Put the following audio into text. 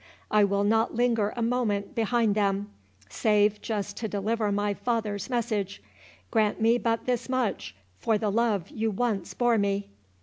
I will not linger a moment behind them, save just to deliver my father's message.—Grant me but this much, for the love you once bore me!"